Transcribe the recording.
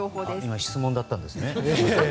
今の質問だったんですね。